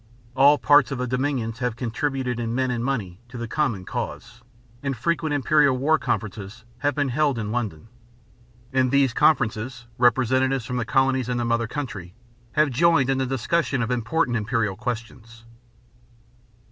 All parts of the dominions have contributed in men and money to the common cause, and frequent imperial war conferences have been held in London. In these conferences representatives from the colonies and the mother country have joined in the discussion of important imperial questions.